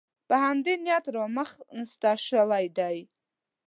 په همدې نیت رامنځته شوې دي